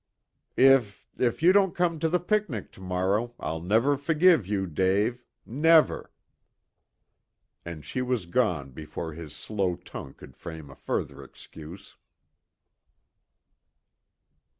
"If if you don't come to the picnic to morrow, I'll never forgive you, Dave never!" And she was gone before his slow tongue could frame a further excuse.